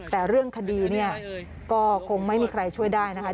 แต่เรื่องคดีเนี่ยก็คงไม่มีใครช่วยได้นะคะ